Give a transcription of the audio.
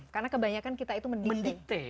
karena kebanyakan kita itu mendikte